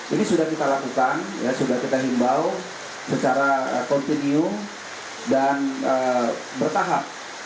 ini sudah kita lakukan sudah kita himbau secara kontinu dan bertahap